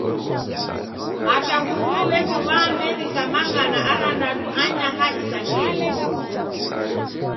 Hata huw'o w'eko W'aamerika maghana arandadu anyaha isangenyi.